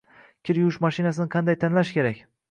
Kir yuvish mashinasini qanday tanlash kerak?